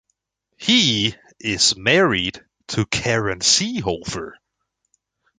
He is married to Karin Seehofer.